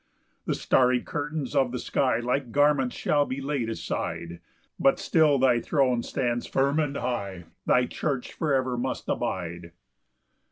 5 The starry curtains of the sky Like garments shall be laid aside; But still thy throne stands firm and high; Thy church for ever must abide.